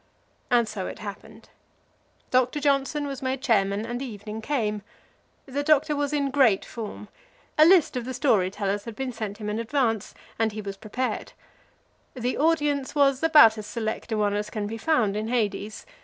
And so it happened. Doctor Johnson was made chairman, and the evening came. The Doctor was in great form. A list of the story tellers had been sent him in advance, and he was prepared. The audience was about as select a one as can be found in Hades.